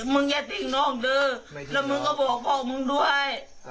มึงอย่าติ๊งน้องด้วยแล้วมึงก็บอกพ่อมึงด้วย